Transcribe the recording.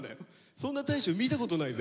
そんな大昇見たことないぜ。